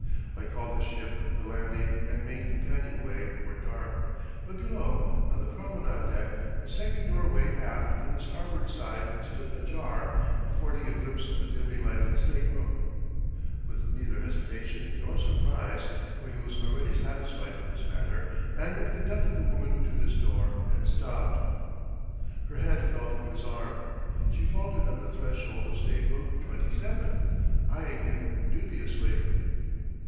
Like all the ship the landing and main companionway were dark; but below, on the promenade deck, the second doorway aft on the starboard side stood ajar, affording a glimpse of a dimly lighted stateroom. With neither hesitation nor surprise for he was already satisfied in this matter Lanyard conducted the woman to this door and stopped. Her hand fell from his arm. She faltered on the threshold of Stateroom 27, eyeing him dubiously.